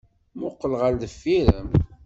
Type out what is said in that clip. Mmuqqel ɣer deffir-m!